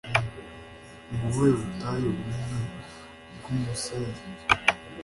Ni ubuhe butayu bunini bw'umusenyi?